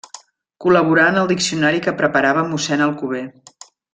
Col·laborà en el diccionari que preparava Mossèn Alcover.